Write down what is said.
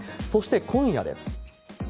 そして今夜です。